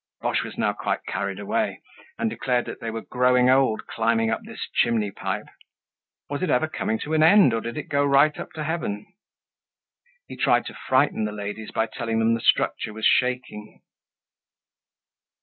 Boche was now quite carried away and declared that they were growing old climbing up this chimney pipe. Was it ever coming to an end, or did it go right up to heaven? He tried to frighten the ladies by telling them the structure was shaking.